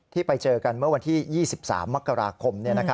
ที่ไปเจอกันเมื่อวันที่๒๓มกราคม